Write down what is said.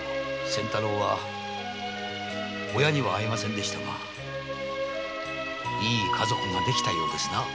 仙太郎は親には会えませんでしたがいい家族ができたようですな。